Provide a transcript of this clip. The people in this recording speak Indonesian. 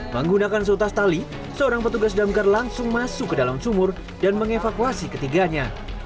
menggunakan seutas tali seorang petugas damkar langsung masuk ke dalam sumur dan mengevakuasi ketiganya